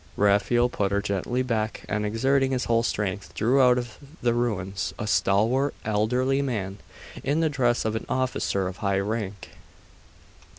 Raphael put her gently back and exerting his whole strength, drew out of the ruins a stalwart elderly man, in the dress of an officer of high rank.